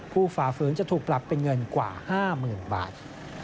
ฝ่าฝืนจะถูกปรับเป็นเงินกว่า๕๐๐๐บาท